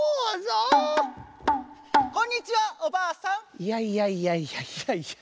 いやいやいやいやいやいや。